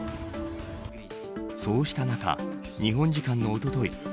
そうした中、日本時間のおととい